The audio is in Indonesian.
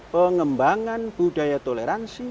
pengembangan budaya toleransi